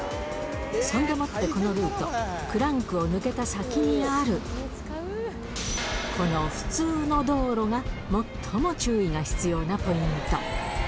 そんでもってこのルート、クランクを抜けた先にある、この普通の道路が最も注意が必要なポイント。